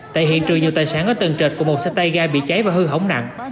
tại hiện trường nhiều tài sản ở tầng trệt cùng một xe tay ga bị cháy và hư hỏng nặng